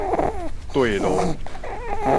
綴路